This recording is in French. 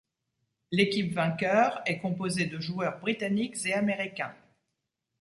L'équipe vainqueur est composée de joueurs britanniques et américains.